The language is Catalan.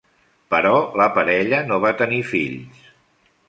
Però la parella no va tenir fills.